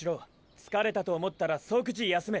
疲れたと思ったら即時休め。